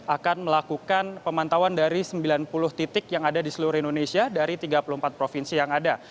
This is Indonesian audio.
akan melakukan pemantauan dari sembilan puluh titik yang ada di seluruh indonesia dari tiga puluh empat provinsi yang ada